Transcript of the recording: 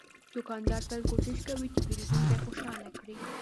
دوکاندار تل کوشش کوي چې پیرودونکی خوشاله کړي.